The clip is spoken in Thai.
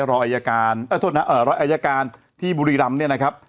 รออัยการที่บุรีรำ